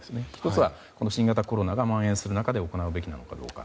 １つは新型コロナがまん延する中で行うべきなのかどうか。